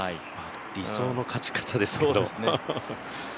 理想の勝ち方ですけど。